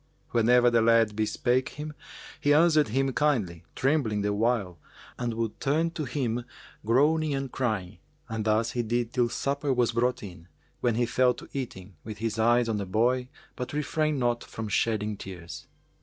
Whenever the lad bespake him, he answered him kindly, trembling the while and would turn to him groaning and crying, and thus he did till supper was brought in, when he fell to eating, with his eyes on the boy but refrained not from shedding tears.